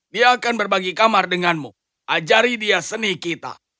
dia akan berbagi kamar denganmu ajari dia seni kita